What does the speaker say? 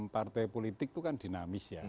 partai politik itu kan dinamis ya